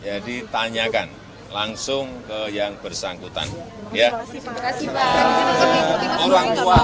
ada konsultasi bapak buan sebelumnya